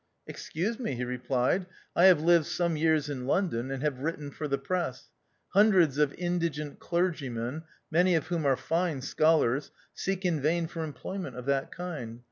"Excuse me," he replied, "I have lived some years in London, and have written for the press. Hundreds of indigent clergymen, many of whom are fine scholars, seek in vain for employment of that kind.